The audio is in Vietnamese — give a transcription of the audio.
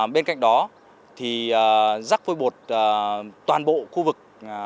bên cạnh đó rắc phôi bột toàn bộ khu vực